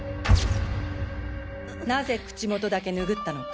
なぜ口元だけ拭ったのか？